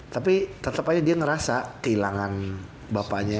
tapi tetep aja dia ngerasa kehilangan bapanya